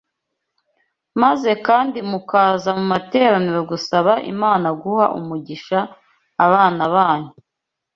maze kandi mukaza mu materaniro gusaba Imana guha umugisha abana banyu